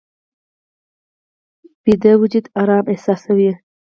ویده وجود آرام احساسوي